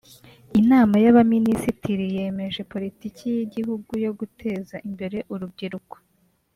Inama y’Abaminisitiri yemeje Politiki y’Igihugu yo guteza imbere urubyiruko